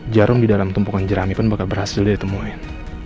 jarum di dalam tumpukan jerami pun bakal berhasil ditemuin